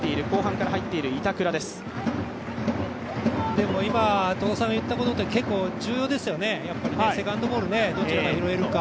でも今、戸田さんが言ったことって結構重要ですよね、セカンドボボールどちらが拾えるか。